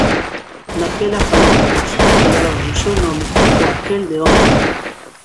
Daquela falou Lois, que levaba no seu nome o aquel de home libre.